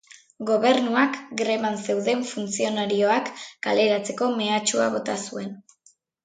Gobernuak greban zeuden funtzionarioak kaleratzeko mehatxua bota zuen.